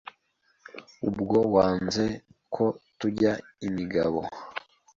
ubwo wanze ko tujya imigabo